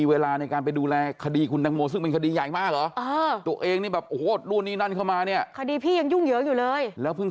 เราต้องดูว่าพนักงานสอบสวนได้ทำครบหรือยัง